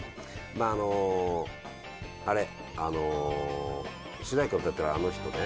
まああのあれあの。